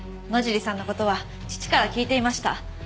野尻さんの事は父から聞いていました。